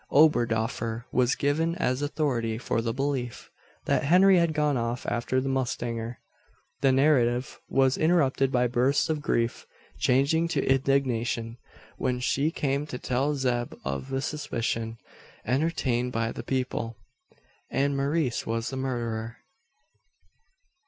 Oberdoffer was given as authority for the belief, that Henry had gone off after the mustanger. The narrative was interrupted by bursts of grief, changing to indignation, when she came to tell Zeb of the suspicion entertained by the people that Maurice was the murderer.